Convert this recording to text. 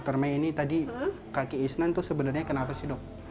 dokter ma'eni tadi kaki isnan itu sebenarnya kenapa sih dok